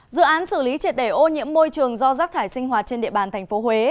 dự án xử lý triệt đẩy ô nhiễm môi trường do rác thải sinh hoạt trên địa bàn thành phố huế